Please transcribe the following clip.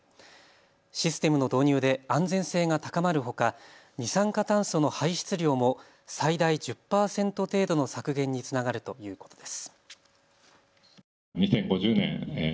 システムの導入で安全性が高まるほか二酸化炭素の排出量も最大１０％程度の削減につながるということです。